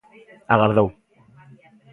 Agardou.